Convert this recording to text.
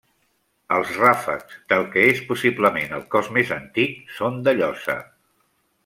Els ràfecs, del que és possiblement el cos més antic, són de llosa.